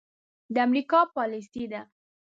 د امريکا پاليسي ده.